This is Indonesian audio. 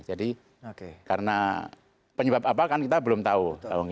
jadi karena penyebab apa kan kita belum tahu